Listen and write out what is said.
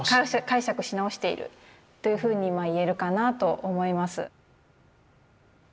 解釈し直しているというふうに言えるかなと思います。